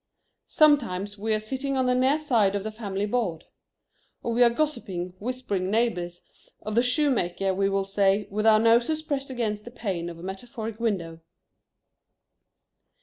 Sometimes we are sitting on the near side of the family board. Or we are gossiping whispering neighbors, of the shoemaker, we will say, with our noses pressed against the pane of a metaphoric window.